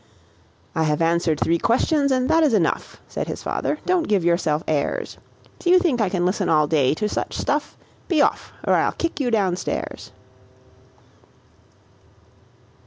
"I have answered three questions, and that is enough," Said his father. "Don't give yourself airs! Do you think I can listen all day to such stuff? Be off, or I'll kick you down stairs.